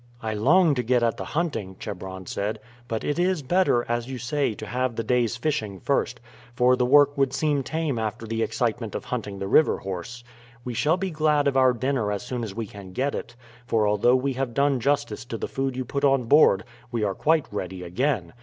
"I long to get at the hunting," Chebron said; "but it is better, as you say, to have the day's fishing first, for the work would seem tame after the excitement of hunting the river horse. We shall be glad of our dinner as soon as we can get it, for although we have done justice to the food you put on board, we are quite ready again.